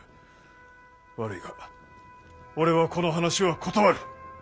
悪いが俺はこの話は断る。